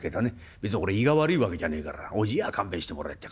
別に俺胃が悪い訳じゃねえからおじやは勘弁してもらいてえ。